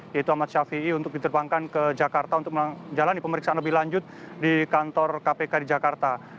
yaitu ahmad ⁇ shafii ⁇ untuk diterbangkan ke jakarta untuk menjalani pemeriksaan lebih lanjut di kantor kpk di jakarta